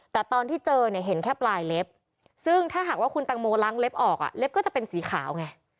แต่ตอนที่เจอเนี่ยเห็นแค่ปลายเล็บซึ่งถ้าหากว่าคุณตังโมล้างเล็บออกเล็บก็จะเป็นสีขาวไง